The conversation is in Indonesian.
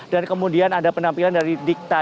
dan kemudian ada penampilan dari dicta